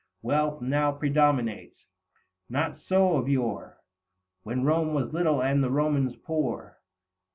Wealth now predominates ; not so of yore When Rome was little and the Romans poor.